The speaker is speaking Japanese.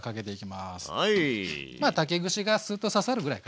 まあ竹串がすっと刺さるぐらいかな